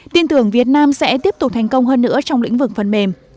tin tưởng việt nam sẽ tiếp tục thành công hơn nữa trong lĩnh vực phần mềm